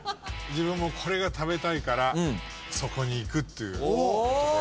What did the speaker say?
自分もこれが食べたいからそこに行くっていう。